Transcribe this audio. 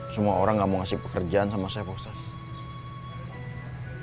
semua orang gak mau ngasih pekerjaan sama saya bosan